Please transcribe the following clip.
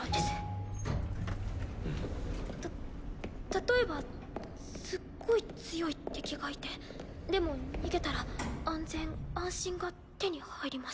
例えばすっごい強い敵がいてでも逃げたら安全安心が手に入ります。